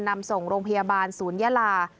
นำส่งโรงพยาบาลศูนยาลา